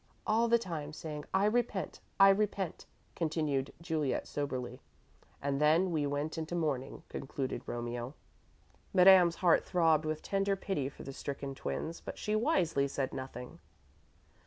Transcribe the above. "All the time saying 'I repent! I repent!'" continued Juliet, soberly. "And then we went into mourning," concluded Romeo. Madame's heart throbbed with tender pity for the stricken twins, but she wisely said nothing.